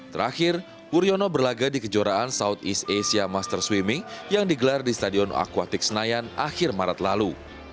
terakhir wuryono berlaga di kejuaraan southeast asia master swimming yang digelar di stadion aquatic senayan akhir maret lalu